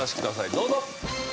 どうぞ。